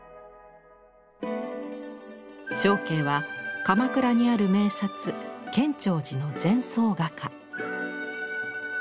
祥啓は鎌倉にある名刹建長寺の禅僧画家。